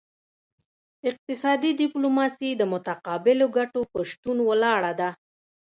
اقتصادي ډیپلوماسي د متقابلو ګټو په شتون ولاړه ده